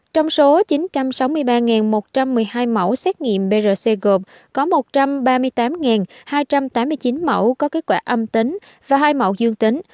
trong số chín trăm sáu mươi ba một trăm một mươi hai mẫu xét nghiệm prc gồm có một trăm ba mươi tám hai trăm tám mươi chín mẫu có kết quả âm tính và hai mẫu dương tính